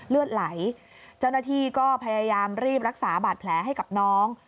เลือดไหลเจ้าหน้าที่ก็พยายามรีบรักษาบาดแผลให้กับน้อง